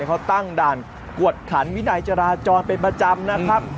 เขาตั้งด่านกวดขันวินัยจราจรเป็นประจำนะครับ